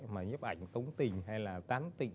mà nhiếp ảnh tống tình hay là tán tịnh